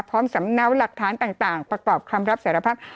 พร้อมสำเนาห์หลักฐานต่างประกอบคำรับสารภัพธ์